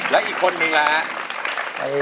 แล้วอีกคนนึงล่ะ